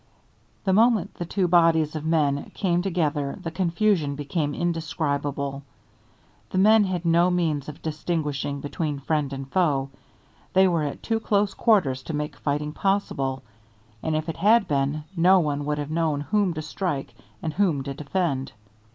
The moment the two bodies of men came together the confusion became indescribable. The men had no means of distinguishing between friend and foe. They were at too close quarters to make fighting possible, and if it had been, no one would have known whom to strike and whom to defend.